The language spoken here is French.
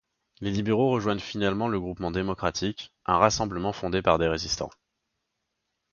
Les libéraux rejoignent finalement le Groupement démocratique, un rassemblement fondé par des résistants.